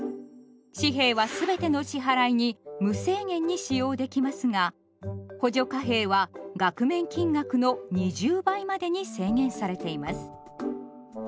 紙幣は全ての支払いに無制限に使用できますが補助貨幣は額面金額の２０倍までに制限されています。